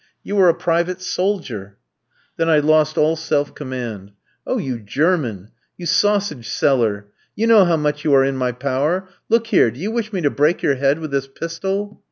'You are a private soldier.' "Then I lost all self command. "'Oh, you German! You sausage seller! You know how much you are in my power. Look here; do you wish me to break your head with this pistol?'